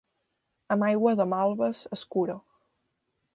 Amb aigua de malves es cura.